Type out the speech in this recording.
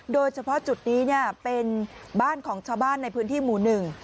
โดยเฉพาะจุดนี้เนี่ยเป็นบ้านของชาวบ้านในพื้นที่หมู่หนึ่ง